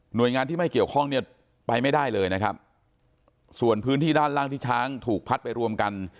โดยงานที่ไม่เกี่ยวข้องเนี่ยไปไม่ได้เลยนะครับส่วนพื้นที่ด้านล่างที่ช้างถูกพัดไปรวมกัน